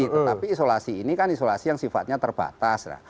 tetapi isolasi ini kan isolasi yang sifatnya terbatas